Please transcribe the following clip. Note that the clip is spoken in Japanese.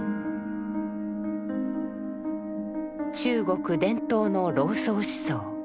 中国伝統の老荘思想。